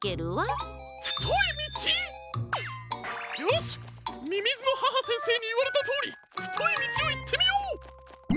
よしみみずの母先生にいわれたとおりふといみちをいってみよう！